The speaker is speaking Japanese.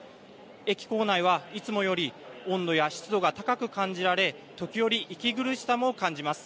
駅構内はいつもより温度や湿度が高く感じられ時折、息苦しさも感じます。